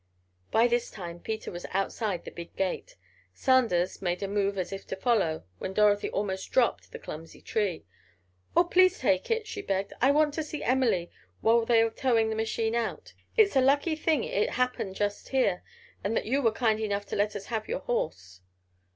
By this time Peter was outside the big gate. Sanders made a move as if to follow, when Dorothy almost dropped the clumsy tree. "Oh, please take it!" she begged. "I want to see Emily while they are towing the machine out. It's a lucky thing it happened just here, and that you are kind enough to let us have your horse."